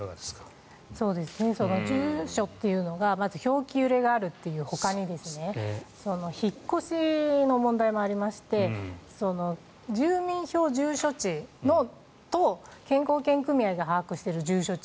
住所というのがまず表記揺れがあるほかに引っ越しの問題もありまして住民票の住所地と健康保険組合が把握している住所地